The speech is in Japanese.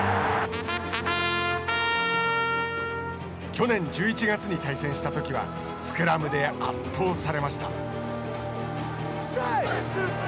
去年１１月に対戦したときはスクラムで圧倒されました。